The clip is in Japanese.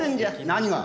何が？